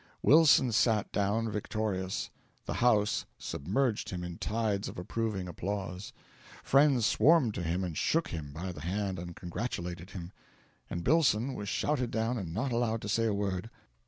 Wilson sat down victorious. The house submerged him in tides of approving applause; friends swarmed to him and shook him by the hand and congratulated him, and Billson was shouted down and not allowed to say a word.